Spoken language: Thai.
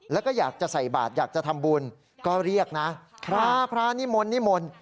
แล้วก็อยากจะใส่บาทอยากจะทำบุญก็เรียกนะพระพระนิมนต์นิมนต์